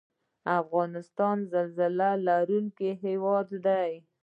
افغانستان زلزله لرونکی هیواد دی